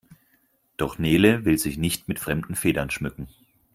Doch Nele will sich nicht mit fremden Federn schmücken.